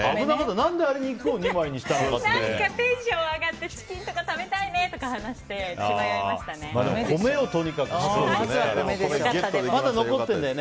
何かテンション上がってチキンとか食べたいねとか話してでも米がとにかくね。